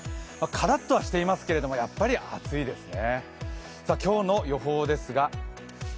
からっとはしていますけど、やっぱり暑いですね。